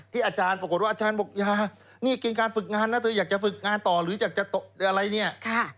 อาจารย์ปรากฏว่าอาจารย์บอกอย่านี่กินการฝึกงานนะเธออยากจะฝึกงานต่อหรืออยากจะตกอะไรเนี่ย